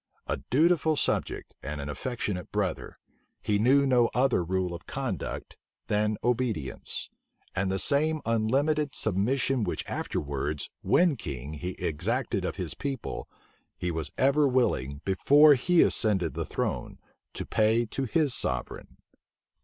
A dutiful subject, and an affectionate brother, he knew no other rule of conduct than obedience; and the same unlimited submission which afterwards, when king, he exacted of his people, he was ever willing, before he ascended the throne, to pay to his sovereign.